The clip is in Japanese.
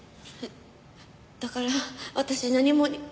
だから私何も。